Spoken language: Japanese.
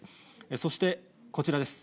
そしてこちらです。